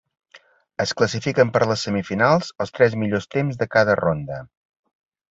Es classifiquen per a les semifinals els tres millors temps de cada ronda.